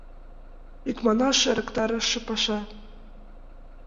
Икманаш, ӧрыктарыше паша.